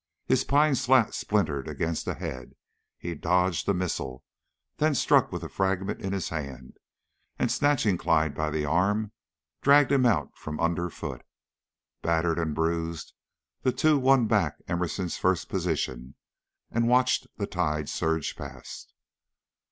His pine slat splintered against a head, he dodged a missile, then struck with the fragment in his hand, and, snatching Clyde by the arm, dragged him out from under foot. Battered and bruised, the two won back to Emerson's first position, and watched the tide surge past.